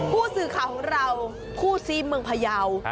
ผู้สื่อข่าวของเราคู่ซีเมืองพยาว